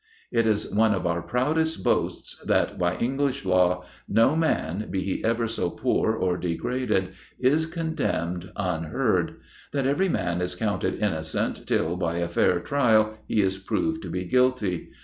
It is one of our proudest boasts that, by English law, no man, be he ever so poor or degraded, is condemned unheard; that every man is counted innocent till, by a fair trial, he is proved to be guilty.